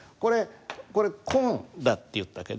これ「こん」だって言ったけど。